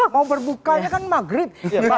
mau berbukanya kan maghrib